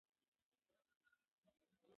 او همدغه پښتانه، چې درانده وړي خوراک یې ځوز وي،